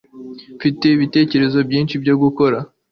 Mfite ibitekerezo byinshi byo gukora